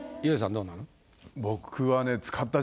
どうなの？